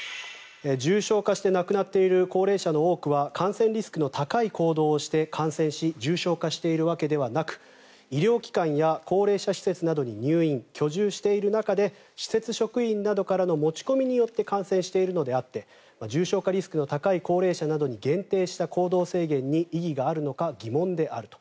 重症化して亡くなっている高齢者の多くは感染リスクの高い行動をして感染し重症化しているわけではなく医療機関や高齢者施設などに入院、居住している中で施設職員などからの持ち込みによって感染しているのであって重症化リスクの高い高齢者などに限定した行動制限に意義があるのか疑問であると。